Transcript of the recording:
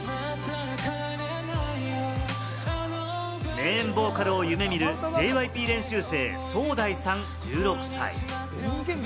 メインボーカルを夢見るＪＹＰ練習生・ソウダイさん、１６歳。